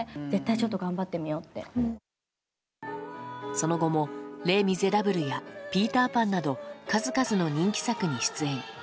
その後も「レ・ミゼラブル」や「ピーターパン」など数々の人気作に出演。